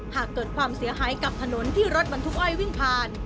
หากเกิดความเสียหายกับถนนที่รถบรรทุกอ้อยวิ่งผ่าน